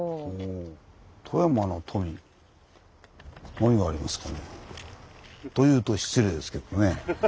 何がありますかね。と言うと失礼ですけどね。